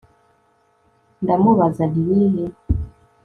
ndamubaza nti iri he